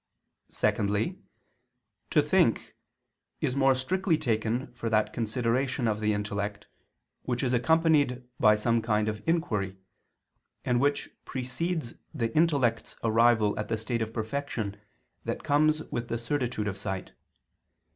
Secondly, "to think" is more strictly taken for that consideration of the intellect, which is accompanied by some kind of inquiry, and which precedes the intellect's arrival at the stage of perfection that comes with the certitude of sight.